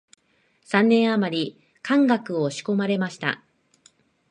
三年あまり漢学を仕込まれました